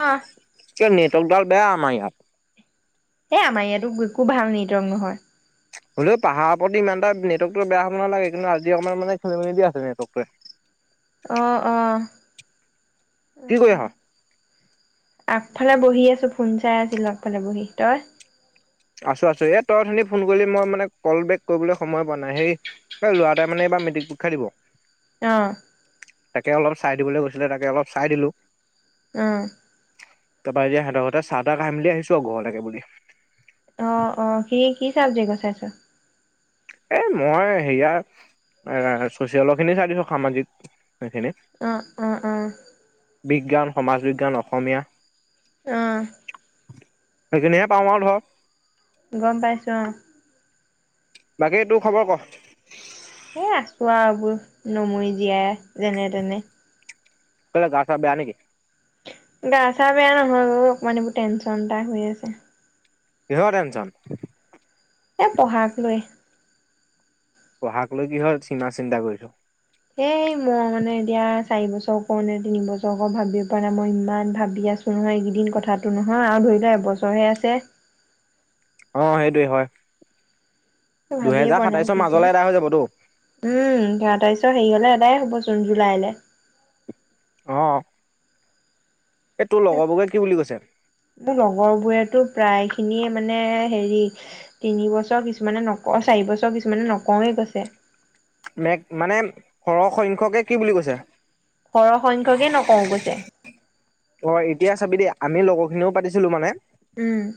অ' এ নেটলডাল বেয়া আমাৰ ইয়াত। এই আমাৰ ইয়াতো একো ভাল নেটৱৰ্ক নহয়। হ'লেও পাহাৰৰ প্ৰতি ইমান এ নেৱৰ্কটো বেয়া হ'ব নালাগে, কিন্তু আজি অকমান মানে খেলি মেলি নেটৱৰ্ক টোৱে। অ', অ' কি কৰি উম আছা? আগফালে বহি আছোঁ, ফোন চাই আছিলোঁ আগফালে বহি, তই? আছোঁ, আছোঁ, এ, তই অথনি ফোন কৰিলি মই মানে কল বেক কৰিবলৈ সময় পোৱা নাই, হেই এই ল'ৰাটোৱে মানে এইবাৰ মেট্ৰিক পৰীক্ষা দিব। অ' তাকে অলপ চাই দিবলৈ গৈছিলে, তাকে অলপ চাই দিলোঁ। উম। তাৰ পৰা এতিয়া সিহঁতৰ ঘৰতে চাহ-তাহ খাই মেলি আহিছোঁ আৰু ঘৰলৈকে বুলি। অ', অ', কি কি চাবজেক্ট চাইছ? এ, মই হেয়া চচিয়ল খিনি চাই দিছোঁ, সামাজিক সেইখিনি অ', উম, উম। বিজ্ঞান, সমাজ বিজ্ঞান, অসমীয়া। অ'। সেইখিনহে পাওঁ আৰু ধৰ। গম পাইছো, অ' বাকী তোৰ খবৰ ক? সেই আছোঁ আৰু নমৰি জীয়াই যেনে তেনে। কেলেই গা চা বেয়া নেকি? গা চা বেয়া নহয় অকমান এইবোৰ টেনচন এটা হৈ আছে। কিহৰ টেনচন? এ পঢ়াক লৈ। পঢ়াক লৈ কি হয়ৰ চিমা চিন্তা কৰিছ? এই মই মানে এতিয়া চাৰি বছৰ কৰ নে তিনি বছৰক ভাবি পোৱা নাই মই ইমান ভাবি আছোঁ নহয় এইকেইদিন কথাটো নহয়, আৰু ধৰি লোৱা এবছৰহে আছে। অ', সেইটোৱে হয়, ভাবিয়ে দুহেজাৰ পোৱা নাই সাতাইশৰ কি কৰো মাজলৈ এদা হৈ যাবতো। উম, ধৰা তাৰিছৰ হেৰি হ'লে এদায় হ'ব জুন জুলাইলৈ। অ', এই তোৰ লগৰবোগে কি বুলি কৈছে? মোৰ লগৰবোৰেতো প্ৰায়খিনিয়ে মানে হেৰি তিন বছৰ কিছুমানে নক, চাৰি বছৰ কিছুমানে নকওঁয়ে কৈছে। মেগ মানে সৰহসংখ্যকে কি বুলি কৈছে? সৰহ সংখ্যকে নকওঁ কৈছে। অ', এতিয়া চাবি দেই আমি লগৰ খিনিও পাতিছিলো মানে উম।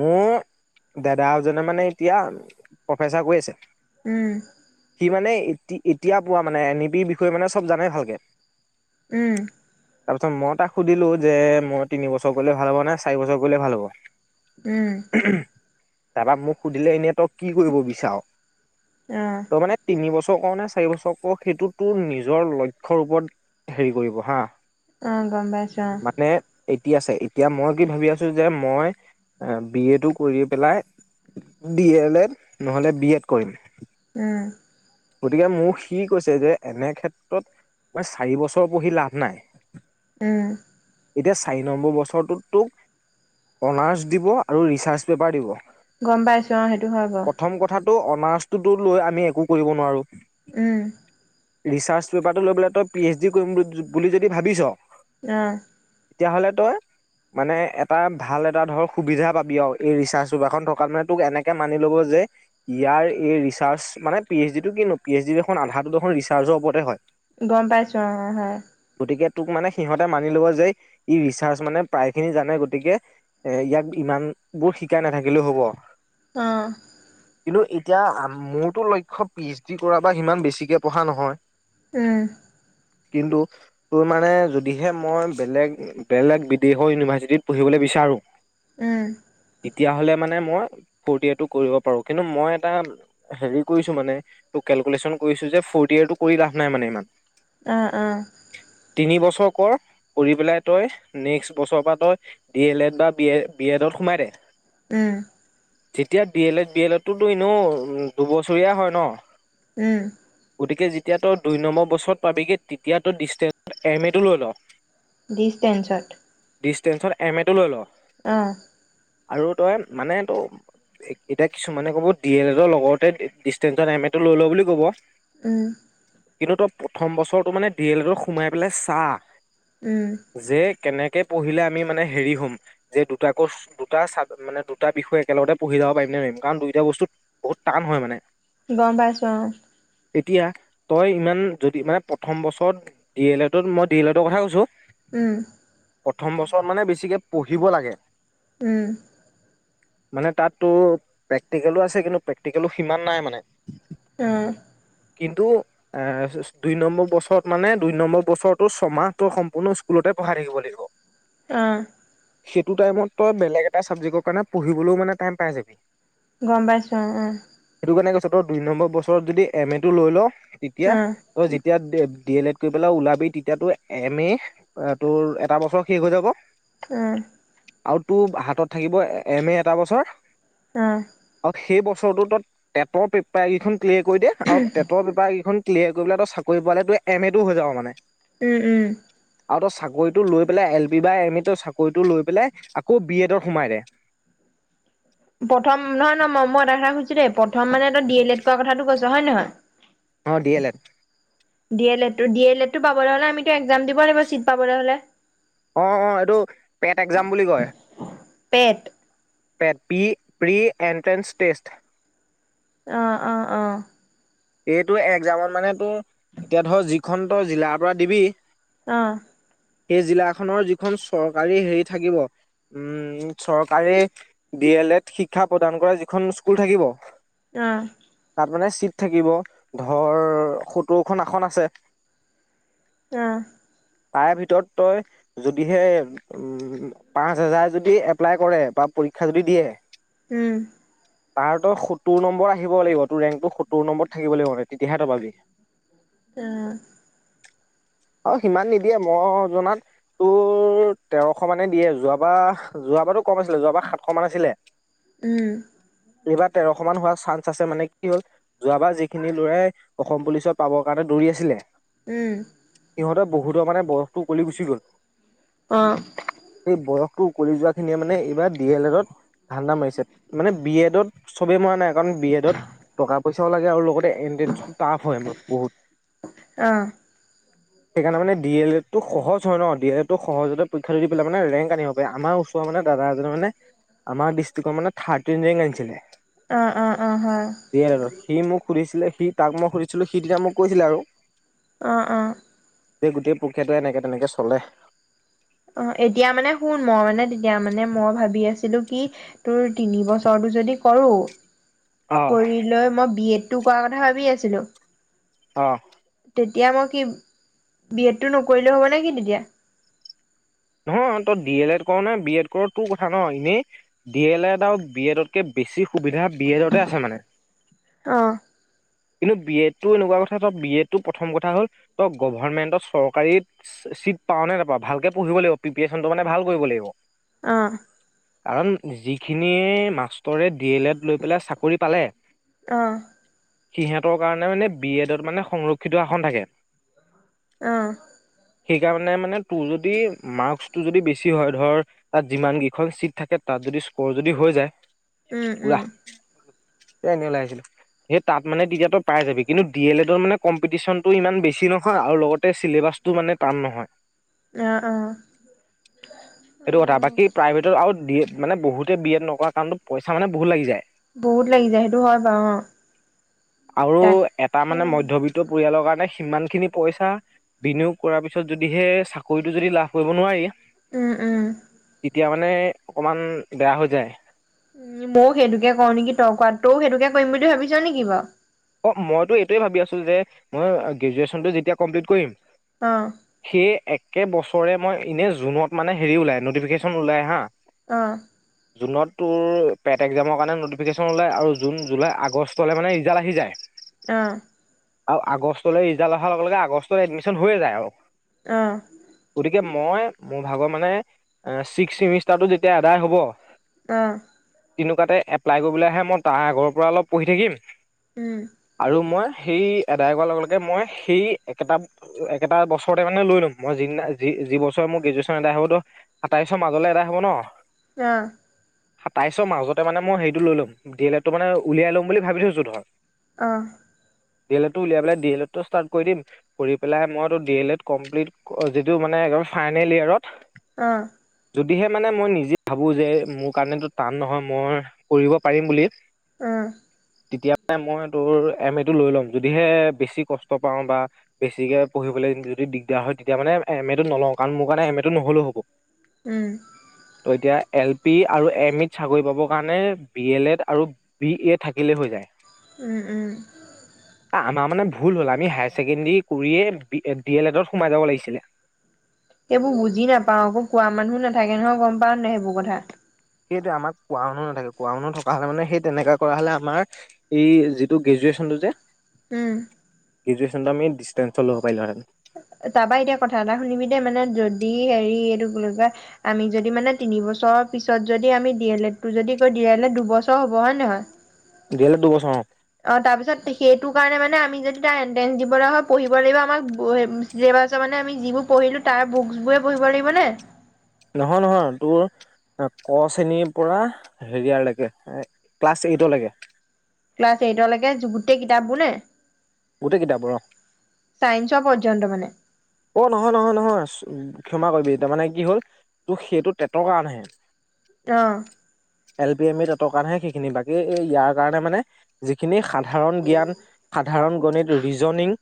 মোৰ দাদাজনে মানে এতিয়া প্ৰফেচাৰ কৈ আছে। উম। সি মানে এ এতিয়া পোৱা মানে এন ই পিৰ বিষয়ে মানে চব জানে ভালকে। উম। তাৰপিছত মই তাক সুধিলোঁ যে মই তিনি বছৰ কৰিলে ভাল হ'ব নে চাৰি বছৰ কৰিলে ভাল হ'ব? উম। তা পা মোক সুধিলে এনেই তই কি কৰিব বিচাঅ? অ। তই মানে তিন বছৰ ক'ৰ নে চাৰি বছৰ ক'ৰ সেইটো তোৰ নিজৰ লক্ষ্যৰ ওপৰত হেৰি কৰিব হা। উম, গম পাইছো। আহ নে এতিয়া আছে, এতিয়া মই কি ভাবি আছো যে, মই বি এটো কৰি পেলাই ডি এল এড নহ'লে বি এড কৰিম। উম। গতিকে মো সি কৈছে যে, এনে ক্ষেত্ৰত মই চাৰি বছৰ পঢ়ি লাভ নাই। উম। এতিয়া চাৰি নম্বৰ বছৰটোত তোক অনাৰ্চ দিব আৰু ৰিচাৰ্চ পেপাৰ দিব। গ'ম পাইছো অ সেইটো হয় বাও। অনাৰ্চটোটো লৈ আমি একো কৰিব নোৱাৰো। উম। ৰিচাৰ্চ পেপাৰটো লৈ পেলে তই পি এইচ ডি কৰিম বুলি যদি ভাবিছ। না। তেতিয়াহ'লে তই মানে এটা ভাল এটা ধৰ সুবিধা পাবি আও এই ৰিচাৰ্চ পেপাৰখন থকাত মানে তোক এনেকে মানি ল'ব যে ইয়াৰ এই ৰিচাৰ্চ মানে পি এইচ ডিটো কিনো, পি এইচ ডি দেখুন আধাটো দেখুন ৰিচাৰ্চৰ ওপৰতে হয়। গ'ম পাইছো অ হয়। গতিকে তোক মানে সিহঁতে মানি ল'ব যে, ই ৰিচাৰ্চ মানে প্ৰায় খিনি জানে গতিকে এ ইয়াক ইমানবোৰ শিকাই নাথাকিলেও হ'ব। অ। কিন্তু এতিয়া মোৰতো লক্ষ্য পি এইচ ডি কৰা বা সিমান বেছিকে পঢ়া নহয়। উম। কিন্তু তোৰ মানে যদিহে, মই বেলেগ বেলেগ বিদেশৰ ইউনিভাৰ্চিটিত পঢ়িবলৈ বিচাৰো। উম। তেতিয়া হ'লে মানে মই ফৰ্ডইয়েৰটো কৰিব পাৰো। কিন্তু মই এটা হেৰি কৰিছো মানে ত কেলকুলেচন কৰিছো যে ফৰ্ড ইয়েৰটো কৰি লাভ নাই মানে ইমান। অ, অ। তিনি বছৰ কৰ, কৰি পেলাই তই নেক্সট বছৰ পৰা তই ডি এল এড বা বি এ ডত সোমাই দে। উম। যেতিয়া ডি এল এড, বি এডটোটো এনেও দুবছৰীয়া হয় ন? উম। গতিকে যেতিয়া তই দুই নম্বৰ বছৰত পাবিগে, তেতিয়া তই ডিচটেন্স এম এ টো লৈ ল। ডিচটেন্সত। ডিচটেন্সত এম এ টো লৈ ল। অ। আৰু তই মানে ত এতিয়া কিছুমানে ক'ব ডি এল এডৰ লগৰতে ডিচটেন্সত এম এ টো লৈ ল বুলি ক'ব। উম। কিন্তু তই প্ৰথম বছৰটো মানে ডি এল এডত সোমাই পেলাই চা উম। যে কেনেকে পঢ়িলে আমি মানে হেৰি হ'ম। যে দুটা ক্ৰচ, দুটা চা মানে দুটা বিষয় একেলগতে পঢ়ি যাব পাৰিম নে নোৱাৰি। কাৰণ দুইটা বস্তু বহুত টান হয় মানে। গ'ম পাইছো অ তেতিয়া তই ইমান যদি মানে প্ৰথম বছৰত ডি এল এডট, মই ডি এল এডৰ কথা কৈছোঁ। উম। প্ৰথম বছৰ মানে বেছিকে পঢ়িব লাগে। উম। মানে তাতো প্ৰেক্টিকেলো আছে, কিন্তু প্ৰেক্টিকেলো সিমান নাই মানে। নে অ কিন্তু এ দুই নম্বৰ বছৰত মানে দুই নম্বৰ বছৰতো ছমাহটো সম্পূৰ্ণ স্কুলতে পঢ়াই থাকিব লাগিব [inaudible] অ সেইটো টাইমত তই বেলেগ এটা চাবজেক্টৰ কাৰণে পঢ়িবলৈও মানে টাইম পাই যাবি গম পাইছো উম সেইটো কাৰণে কৈছো তই দুই নম্বৰ বছৰত যদি এম এটো লৈ ল' তেতিয়া অ', ত যেতিয়া ডি এল এড কৰি পেলাই ওলাবি তেতিয়াতো এম এ এ তোৰ এটা বছৰ শেষ হৈ যাব উম আৰু তোৰ হাতত থাকিব এম এ এটা বছৰ অ', আৰু সেই বছৰটোত তই টেটৰ পেপাৰ কেইখন ক্লিয়াৰ কৰি দিয়ে আৰু টেটৰ পেপাৰ কেইখন ক্লিয়াৰ কৰিবলে তই চাকৰি পোৱানাই তোৰ এম এটো হৈ যাব মানে উম উম আৰু তই চাকৰিটো লৈ পেলাই এল পি বা এম ইত চাকৰিটো লৈ পেলাই আকৌ বি এডত সোমাই দে প্ৰথম নহয় নহ মই মই এটা কথা শুদিছো দেই প্ৰথম মানে তই ডি এল এড কৰা কথাটো কৈছ হয় নে নহয় অ D L Ed D L এডটো ডি এল এডটো পাবলে হলে আমিতো একজাম দিব লাগিব চিট পাবলে হলে অ অ এইটো পেট একজাম বুলি কয় PET PET P pre entrance test অ অ অ এইটো একজামত মানে তোৰ এতিয়া ধৰ যিখন তই জিলাৰ পৰা দিবি অ সেই জিলাখনৰ যিখন চৰকাৰী হেৰি থাকিব উম চৰকাৰে ডি এল এড শিক্ষা প্ৰদান কৰা যিখন স্কুল থাকিব অহ তাতমানে চিট থাকিব ধৰ সত্তৰখন আসন আছে অ তাৰে ভিতৰত তই যদিহে উম পাঁচ হেজাৰ যদি এপ্লাই কৰে বা পৰীক্ষা যদি দিয়ে উম। তাৰ তোৰ সত্তৰ নম্বৰ আহিব লাগিব, তোৰ ৰেংকটো সত্ সত্তৰ‌ নম্বৰত থাকিব লাগিব, তেতিয়াহে তই পাবি। অ' অ' সিমান নিদিয়ে মই জনাত তোৰ তেৰশ মানে দিয়ে, যোৱাবাৰ যোৱাবাৰো তো কম আছিলে, যোৱাবাৰ সাতশ মান আছিলে। [unintelligible] উম। এইবাৰ তেৰশ মান হোৱাৰ চান্স আছে, মানে কি হ'ল যোৱাবাৰ যিখিনি লৰায়ে অসম পুলিচত পাবৰ কাৰণে দৌৰি আছিলে। উম। সিহঁতে বহুতৰ মানে বয়সটো ওকলি গুচি গ'ল। অঁ সেই বয়সটো উকলি যোৱা খিনিয়ে মানে এইবাৰ ডি এল এডত ধান্দা মাৰিছে মানে বি এডত সবেই মৰা নাই কাৰণ বি এডত টকা পইচাও লাগে আৰু লগতে এনট্ৰেঞ্চটো টাফ হয় আমাৰ বহুত অ', সেইকাৰণে মানে দি এল এড টো সহজ হয় ন' ডি এল এডটো সহজতে পৰীক্ষা দি পেলাই মানে ৰেংক আনিব পাৰে আমাৰ ত' মানে দাদা এজনে মানে আমাৰ ডিষ্ট্ৰিকৰ মানে থাৰ্ডটিন ৰেং আনিছিলে। অঁ অঁ অঁ হয়। দি এল এদ ত। সি মোক সুধিছিলে সি তাক মই সুধিছিলো, সি তেতিয়া মোক কৈছিলে আৰু অঁ অঁ এই গোটেই প্ৰক্ৰিয়াটো এনেকে তেনেকে চ'লে অঁ, এতিয়া মানে শুন, মই মানে তেতিয়া মানে মই ভাবি আছিলো কি তোৰ তিনি বছৰটো যদি কৰো, অ কৰি লৈ মই বি এড টো কৰা কথা ভাবি আছিলো। অঁ তেতিয়া মই কি, বি এডটো নকৰিলো হ'ব নেকি তেতিয়া? নহয় তই ডি এল এড কৰ' নে বি এড কৰ' তোৰ কথা ন' ইনেই ডি এল এড আও বি এডত কে বেছি সুবিধা বি এড তে আছে মানে। অঁ কিন্তু বি এডটো এনেকুৱা কথা থ বি এডটো প্ৰথম কথা হ'ল তই গভৰ্মেণ্টত চৰকাৰী চিট পাওঁ নে নাপাওঁ ভালকে পঢ়িব লাগিব। প্ৰিপেৰেচনটো মানে ভাল কৰিব লাগিব। অঁ কাৰণ যিখিনিয়ে মাষ্টৰে ডি এল এড লৈ পেলাই চাকৰি পালে অঁ সিহঁতৰ কাৰণে মানে বি এডত মানে সংৰক্ষিত আসন থাকে। অঁ সেইকাৰণে মানে তোৰ যদি মাৰ্কচটো যদি বেছি হয়, ধৰ তাত যিমান কেইখন চিট থাকে, তাত যদি স্ক'ৰ যদি হৈ যায় উম উম। এ এনেই ওলাই আহিছিলো। সেই তাত মানে কেতিয়াবা তই পাই যাবি, কিন্তু ডি এল এডৰ মানে কম্পিটিচনটো ইমান বেছি নহয় আৰু লগতে চিলেবাছ টো মানে টান নহয়। অঁ অঁ এইটো কথা, বাকী প্ৰাইভেটত আৰু বি এড মানে বহুতে বি এড নকৰা কাৰণটো পইচা মানে বহুত লাগি যায়। বহুত লাগি যায় সেইটো হয় বাৰু অ আৰু এটা তাকে মানে মধ্যবি ত্ত পৰিয়ালৰ কাৰণে সিমান খিনি পইচা বিনিয়োগ কৰাৰ পিছত যদিহে চাকৰিটো যদি লাভ কৰিব নোৱাৰি উম উম। তেতিয়া মানে অকমান বেয়া হৈ যায়। উ মই সেইটোকে কৰোঁ নেকি? তই কৰা তও সেইটোকে কৰিম বুলি ভাবিছা নেকি বাও? অ মইতো এইটোৱে ভাবি আছো যে মই গ্ৰেজুৱেশ্বনটো যেতিয়া কমপ্লিট কৰিম অঁ। সেই একে বছৰে মই এনেই জুনত মানে হেৰি ওলাই নটিফিকেশন ওলাই হা। অহ। [inaudible] জুনত তোৰ পেট একজামৰ কাৰণে ন'টিফিকেশ্যন ওলায় আৰু জুন, জুলাই, আগষ্টলে মানে ৰিজাল্ট আহি যায়। অঁ। আৰু আগষ্টলে ৰিজাল্ট অহাৰ লগে লগে আগষ্টত এডমিশন হৈয়ে যায় আও। অহ। গতিকে মই মোৰ ভাগৰ মানে এ ছিক্স চেমিষ্টাৰটো যেতিয়া আদায় হ'ব অহ। তেনেকুৱাতে এপ্লাই কৰিবলে আহে মই তাৰ আগৰ পৰা অলপ পঢ়ি থাকিম উম। আৰু মই সেই আদায় কৰাৰ লগে লগে মই সেই একেটা একেটা বছৰতে মানে লৈ ল'ম, মই যিদিনা যি বছৰ মোৰ গ্ৰেজুৱেশ্যন এদায় হ'বত সাতাইছৰ মাজলে আদায় হ'ব ন অঁহ। সাতাইছৰ মাজতে মানে মই হেৰিটো লৈ ল'ম, ডি এল এ টো মানে উলিয়াই লম বুলি ভাবি থৈছো ধৰ। অহ। ডি এল এডটো উলিয়াই পেলাই ডি এল এডটো ষ্টাৰ্ট কৰি দিম। কৰি পেলাই মইটো ডি এল এড কমপ্লিট, যিটো মানে একেবাৰে ফাইনেল ইয়েৰত অঁ। যদিহে মানে মই নিজেই ভাবোঁ যে, মোৰ কাৰণেতো টান নহয় মই কৰিব পাৰিম বুলি উমঁ। তেতিয়া মানে মই তোৰ এমএ টো লৈ ল'ম, যদিহে বেছি কষ্ট পাওঁ বা বেছিকে পঢ়িবলৈ যদি দিগদাৰ হয়, তেতিয়া মানে এম এটো নলওঁ কাৰণ মোৰ কাৰণে এম এ টো নহলেও হ'ব। উম। তই, এতিয়া এল পি আৰু এম ইত চাকৰি পাবৰ কাৰণে বি এল এড আৰু বি এ থাকিলেই হৈ যায়। উম, উম। আমাৰ মানে ভুল হ'ল, আমি হায়াৰ ছেকেণ্ডেৰী কৰিয়েই ডি এল এডত সোমাই যাব লাগিছিলে। সেইবোৰ বুজি নাপাওঁ আকৌ কোৱা মানুহ নাথাকে নহয় গম পাঁও নাই সেইবোৰ কথা। সেইটোৱে আমাৰ কোৱা মানুহ নাথাকে, কোৱা মানুহ থকা হলে মানে সেই তেনেকুৱা কৰা হলে আমাৰ এই যিটো গ্ৰেজুৱেশ্যগনটো যে, উম গ্ৰেজুৱেশ্যনটো আমি ডিচষ্টেঞ্চত ল'ব পাৰিলোঁহেতেন। তাৰপা এতিয়া কথা এটা শুনিবি দেই, মানে যদি হেৰি এইটো কি বুলি কয় আমি যদি মানে তিনি বছৰৰ পিছত যদি আমি ডি এল এডটো যদি কৰো, ডি এল এড দুবছৰ হ'ব হয় নহয়? ডি এল এড দুবছৰ অঁ। অ', তাৰপিছত সেইটো কাৰণে মানে আমি যদি তাৰ এন্ট্ৰেন্ঞ্চ দিবলৈ হয়। পঢ়িব লাগিব আমাক চিলেবাচ মানে আমি যিবোৰ পঢ়িলোঁ। তাৰ বুকচবোৰে পঢ়িব লাগিব নে? নহয়। নহয়। তোৰ ক, শেণীৰ পৰা, হেৰিয়াৰ লৈকে ক্লাছ এইটলৈকে। ক্লাছ এইটলৈকে যু গোটেই কিতাপবোৰ নে? গোটেই কিতাপ বোৰ অ, চাইন্সৰ পৰ্য্যন্ত মানে অ', নহয়। নহয়। নহয়। ক্ষমা কৰিবি তাৰ মানে কি হল অ', সেইটো টেটৰ কাৰণেহে। অ', এল পি এম ই টেটৰ কাৰণেহে সেইখিনি বাকী এই ইয়াৰ কাৰণে মানে যিখিনি সাত সাধাৰণ জ্ঞান, সাধাৰণ গণিত, ৰিজনিং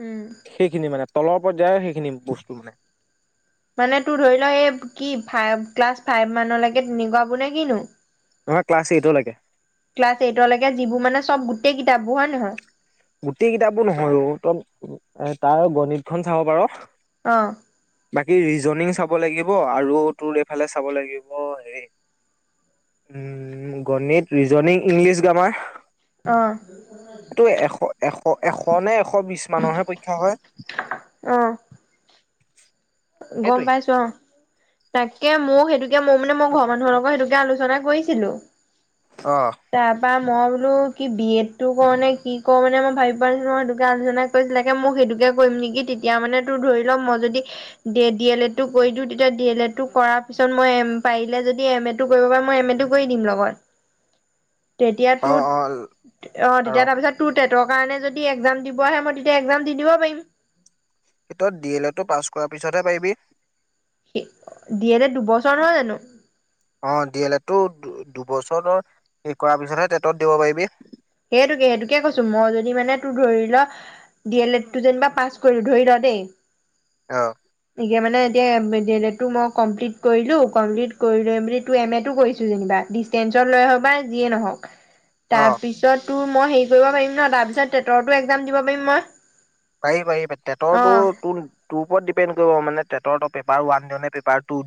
উম', সেইখিনি মানে তলৰ পৰ্য্যায়ৰ সেইখিনি বস্তু মানে মানে তোৰ ধৰি ল এই কি, ফাইভ ক্লাছ ফাইভ মানলৈকে তেনেকুৱা বোৰ নে কিনো? নহয়, ক্লাছ এইটলৈকে। ক্লাছ এইটলৈকে যিবোৰ মানে চব গোটেই কিতাপাবোৰ হয় নহয়? গোটেই কিতাপবোৰ নহয় অ, তই তাৰ গণিতখন চাব পাৰ। অ', বাকী ৰিজনিং চাব লাগিব আৰু তোৰ এইফালে চাব লাগিব, হেৰি উম', গণিত, ৰিজনিং, ইংলিছ গ্ৰামাৰ। অ', এইটো এশ এশ, এশ নে এশ বিশ মানৰহে পৰীক্ষা হয়। অ', গম সেইটোৱে পাইছো অ, তাকে, মই সেইটোকে মই মানে মই ঘৰৰ মানুহৰ লগত সেইটোকে আলোচনা কৰিছিলো। অ', তাৰ পৰাা মই বোলো কি বি এড টো কৰ নে কি কৰ মানে মই ভাবি পোৱা নাছিলো। সেইটোকে আলোচনা কৈছিলাকে মোক সেইটোকে কৰিম নেকি তেতিয়া মানে তোৰ ধৰি ল মই যদি ডি এল এড টো কৰি দিওঁ তেতিয়া ডি এল এড টো কৰাৰ পিছত মই এম পাৰিলে যদি এম এড টো কৰিব পাই মই এম এ টো কৰি দিম লগত [inaudible] তেতিয়াতো অ, আৰু তেতিয়া তাৰপিছত তোৰ টেটৰ কাৰণে যদি একজাম দিব আহে মই তেতিয়া একজাম দি দিব পাৰিম। ডি এল এ টো পাছ কৰাৰ পিছতহে পাৰিবি। ডি এ লেট দুবছৰ নহয় জানো? অ', ডি এল এটো দুবছৰৰ হে কৰাৰ পিছতহে টেটত দিব পাৰিবি। সেইটোকে সেইটোকে কৈছো। মই যদি মানে তোৰ ধৰি ল ডি এল এ তটো যেনিবা পাছ কৰিলো। ধৰি ল দেই অ', এতিয়া মানে এতিয়া ড এডটো মই কমপ্লিট কৰিলো। কমপ্লিট কৰি লৈ বুলি টো এম এটো কৰিছো যেনিবা। ডিচষ্টেঞ্চত লৈ হক বা যিয়ে নহওক [inaudible] তাৰপিছত তো মই হেৰি কৰিব পাৰিম ন তাৰপিছত টেটৰতো একজাম দিব পাৰিম মই? পাৰি। পাৰি। টেটৰটো অ টো টো ওপৰত ডিপেড কৰিব মানে টেটৰটো পেপাৰ ওৱান দিওঁ নে পেপাৰ টু